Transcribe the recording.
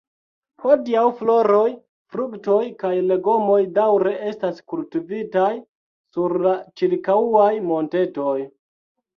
Hodiaŭ, floroj, fruktoj kaj legomoj daŭre estas kultivitaj sur la ĉirkaŭaj montetoj.